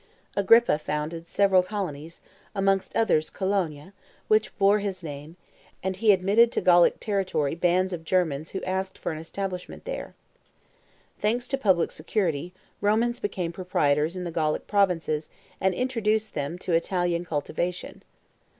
Agrippa founded several colonies, amongst others Cologne, which bore his name; and he admitted to Gallic territory bands of Germans who asked for an establishment there. Thanks to public security, Romans became proprietors in the Gallic provinces and introduced to them Italian cultivation.